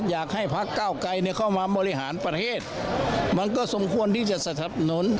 อยากให้พักเก้าไกรเข้ามาบริหารประเทศมันก็สมควรที่จะสนับสนุน